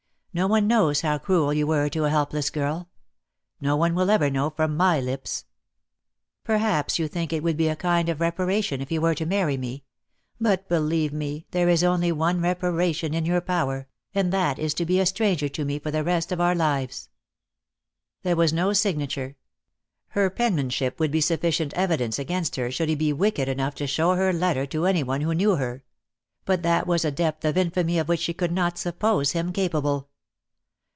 No one knows how cruel you were to a helpless girl. No one will ever know from my lips. Perhaps you think it would be a 2;^0 DEAD LOVE HAS CHAINS. kind of reparation if you were to marry me; but believe me there is only one reparation in your power, and that is to be a stranger to me for the rest of our lives." There was no signature. Her penmanship would be sufficient evidence against her should he be wicked enough to show her letter to anyone who knew her; but that was a depth of infamy of which she could not suppose him capable.